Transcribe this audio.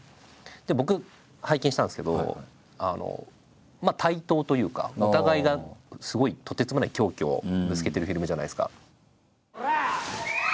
僕拝見したんですけど対等というかお互いがすごいとてつもない狂気をぶつけてるフィルムじゃないですか。